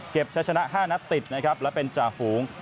ใช้ชนะ๕นัดติดนะครับและเป็นจ่าฝูง